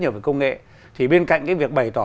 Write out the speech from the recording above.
nhờ về công nghệ thì bên cạnh cái việc bày tỏ